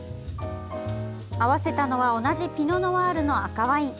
合わせたのは同じピノ・ノワールの赤ワイン。